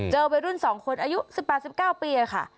วัยรุ่น๒คนอายุ๑๘๑๙ปีค่ะ